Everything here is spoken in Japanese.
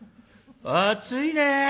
「暑いね。